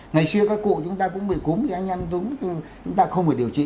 ngày xưa các cụ chúng ta cũng bị cúng thì anh em chúng ta không phải điều trị